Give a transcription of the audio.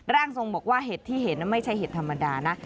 ร่างทรงบอกว่าเห็ดที่เห็นไม่ใช่เห็ดธรรมดานะ